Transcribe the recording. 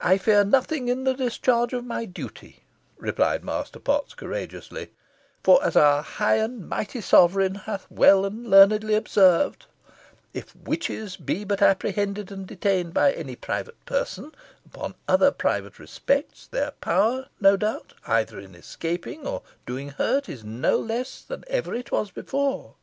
"I fear nothing in the discharge of my duty," replied Master Potts, courageously, "for as our high and mighty sovereign hath well and learnedly observed 'if witches be but apprehended and detained by any private person, upon other private respects, their power, no doubt, either in escaping, or in doing hurt, is no less than ever it was before.